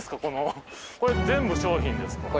これ全部商品です。